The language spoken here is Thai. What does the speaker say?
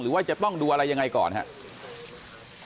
ว่าจะต้องดูอะไรยังไงก่อนครับ